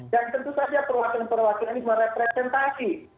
dan tentu saja perwakilan perwakilan ini merepresentasi